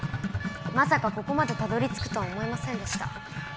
まさかここまでたどり着くとは思いませんでした。